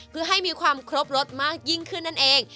เพื่อให้มีความครบรสมากยิ่งขึ้นนั่นเอง